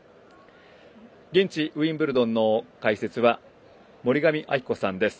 現地、ウィンブルドンの解説は森上亜希子さんです。